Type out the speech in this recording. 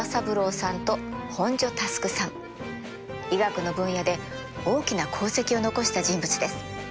医学の分野で大きな功績を残した人物です。